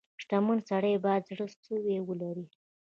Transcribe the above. • شتمن سړی باید زړه سوی ولري.